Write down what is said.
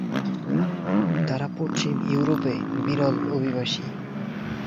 তারা পশ্চিম ইউরোপে বিরল অভিবাসী।